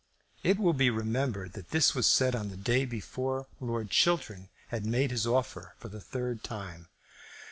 It will be remembered that this was said on the day before Lord Chiltern had made his offer for the third time.